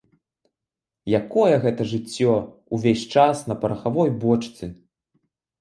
Якое гэта жыццё, увесь час на парахавой бочцы!